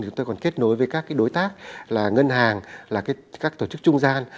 chúng tôi còn kết nối với các đối tác ngân hàng các tổ chức trung gian